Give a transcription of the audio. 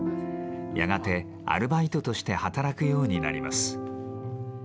やがてアルバイトとして働くようになります。